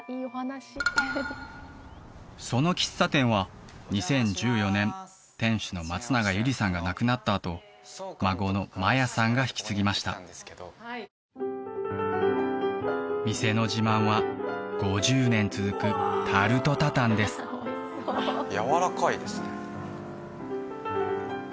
その喫茶店は２０１４年店主の松永ユリさんが亡くなったあと孫の麻耶さんが引き継ぎました店の自慢は５０年続くタルトタタンですやわらかいですね